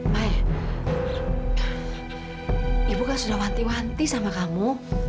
mai ibu kan sudah wanti wanti sama kamu